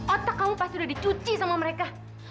otak kamu pasti udah dicuci sama mereka